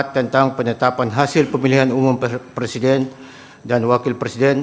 tentang penetapan hasil pemilihan umum presiden dan wakil presiden